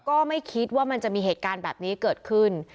ก็ไม่คิดว่ามันจะมีเหตุการณ์แบบนี้เกิดขึ้น